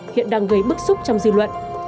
hiện đang gây bức xúc trong dư luận